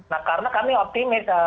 nah karena kami optimis